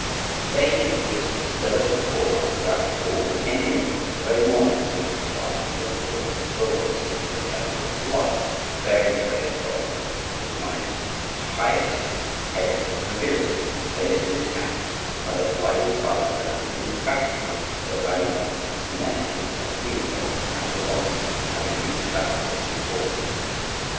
The danger into which this zealous Reformer was about to fall became imminent the very morning on which he started from the port of Beaugency for the chateau de Blois, bearing precious documents which compromised the highest heads of the nobility, placed in his hands by that wily partisan, the indefatigable La Renaudie, who met him, as agreed upon, at Beaugency, having reached that port before him.